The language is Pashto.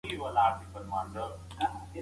نادر افشار د یو نوي قوت په توګه راپورته شو.